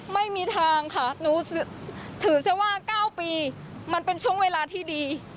ไม่มีทางค่ะหนูถือซะว่า๙ปีมันเป็นช่วงเวลาที่ดี